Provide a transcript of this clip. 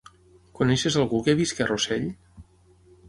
Coneixes algú que visqui a Rossell?